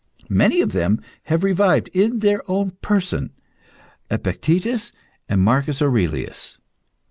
Many of them have revived, in their own person, Epictetus and Marcus Aurelius.